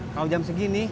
kalau jam segini